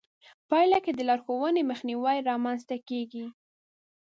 پايله کې د لارښوونې مخنيوی رامنځته کېږي.